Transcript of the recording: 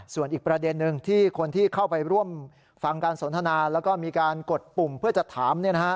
ส่วนอีกประเด็นหนึ่งที่คนที่เข้าไปร่วมฟังการสนทนาแล้วก็มีการกดปุ่มเพื่อจะถาม